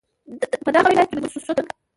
په دغه ولايت كې د ځينو مؤسسو ترڅنگ